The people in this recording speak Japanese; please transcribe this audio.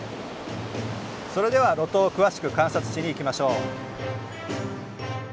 それでは露頭を詳しく観察しに行きましょう。